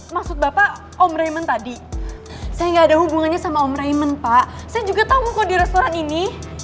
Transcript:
maksud bapak om rayment tadi saya nggak ada hubungannya sama om rayment pak saya juga tahu kok di restoran ini